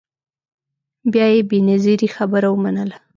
بیا یې بنظیري خبره ومنله